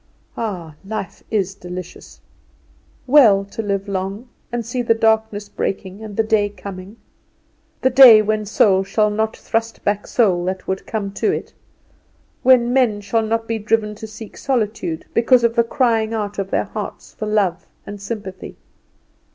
Ah! life is delicious; well to live long, and see the darkness breaking, and the day coming! The day when soul shall not thrust back soul that would come to it; when men shall not be driven to seek solitude because of the crying out of their hearts for love and sympathy.